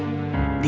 dia akan menghukummu